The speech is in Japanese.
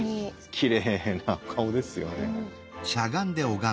きれいなお顔ですよね。